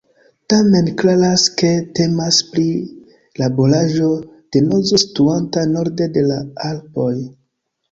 Tamen klaras ke temas pri laboraĵo de zono situanta norde de la Alpoj.